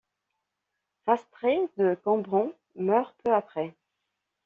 Fastré de Cambron meurt peu après.